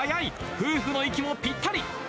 夫婦の息もぴったり。